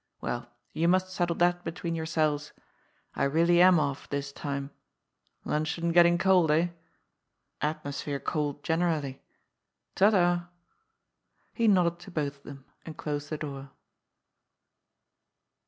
Well, you must settle that between yourselves. I really am off this time. Luncheon getting cold, eh ? Atmosphere cold, generally. Ta ta." He nodded to both of them, and closed the door.